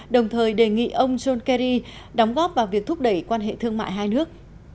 đồng thời đề nghị ông john kerry đóng góp vào việc thúc đẩy quan hệ thương mại hai nước